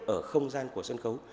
ở không gian của sân khấu